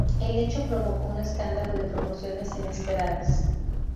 El hecho provocó un escándalo de proporciones inesperadas.